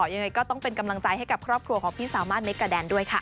ยังไงก็ต้องเป็นกำลังใจให้กับครอบครัวของพี่สามารถเมกาแดนด้วยค่ะ